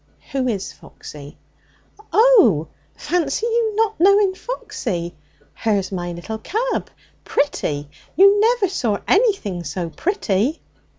'Who is Foxy?' 'Oh! Fancy you not knowing Foxy! Her's my little cub. Pretty! you ne'er saw anything so pretty.'